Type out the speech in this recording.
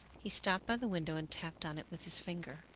He stopped by the window and tapped on it with his finger.